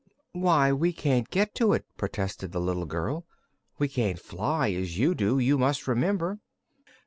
"why, we can't get to it," protested the little girl. "We can't fly, as you do, you must remember."